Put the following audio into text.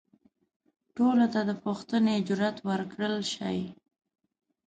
ټولو ته د پوښتنې جرئت ورکړل شي.